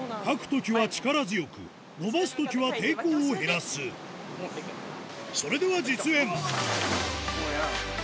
かくときは力強く伸ばすときは抵抗を減らすそれでは実演！